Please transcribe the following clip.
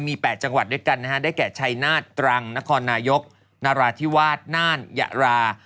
มี๘จังหวัดด้วยกันนะฮะได้แก่ชัยนาฏตรังนครนายกนราธิวาสน่านยะรา